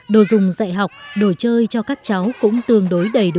đồ dùng dạy học đồ chơi cho các cháu cũng tương đối đầy đủ